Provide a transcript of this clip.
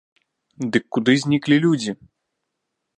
Дык куды зніклі людзі?